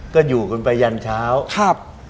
ก็อยู่กันไปยันเช้า